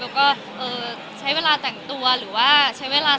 เขากลัวใจแล้วมิถึงขยับตัวไหม